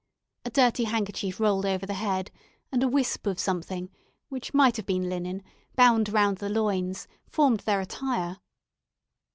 A dirty handkerchief rolled over the head, and a wisp of something, which might have been linen, bound round the loins, formed their attire.